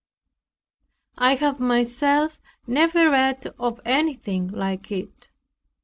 I have myself never read of anything like it.